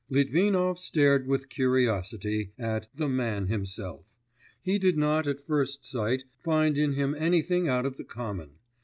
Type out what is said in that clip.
Litvinov stared with curiosity at 'the man himself.' He did not at first sight find in him anything out of the common.